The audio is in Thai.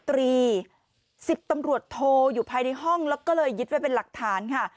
เพราะว่า๑๐ตำรวจโทยือภายในห้องและก็เลยยืดไปเป็นหลักฐาน